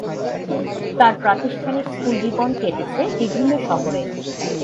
তার প্রাতিষ্ঠানিক স্কুল জীবন কেটেছে বিভিন্ন শহরে।